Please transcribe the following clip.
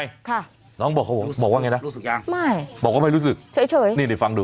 ค่ะน้องบอกเขาบอกว่าไงนะรู้สึกยังไม่บอกว่าไม่รู้สึกเฉยเฉยนี่เดี๋ยวฟังดู